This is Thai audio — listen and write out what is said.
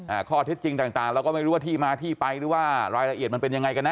อ่าข้อเท็จจริงต่างต่างเราก็ไม่รู้ว่าที่มาที่ไปหรือว่ารายละเอียดมันเป็นยังไงกันแ